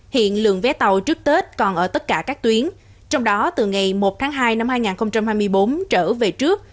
hiện lượng vé tàu trước tết còn ở tất cả các tuyến trong đó từ ngày một tháng hai năm hai nghìn hai mươi bốn trở về trước